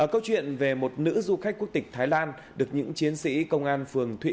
câu chuyện về một nữ du khách quốc tịch thái lan được những chiến sĩ công an phường thụy